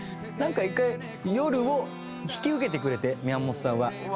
なんか１回夜を引き受けてくれて宮本さんは。